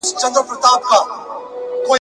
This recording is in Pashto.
د باد په حکم ځمه `